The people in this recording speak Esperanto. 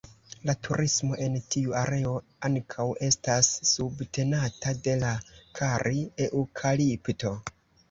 La turismo en tiu areo ankaŭ estas subtenata de la kari-eŭkalipto.